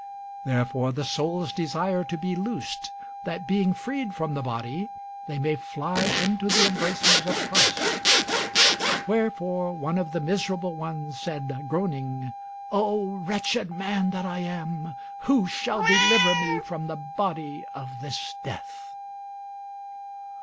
Therefore the souls' desire to be loosed, that being freed from the body they may fly into the embraces of Christ. Wherefore one of the miserable ones said, groaning, "O wretched man that I am, who shall deliver me from the body of this death!"